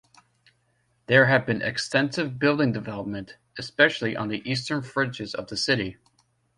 There has been extensive building development, especially on the eastern fringes of the city.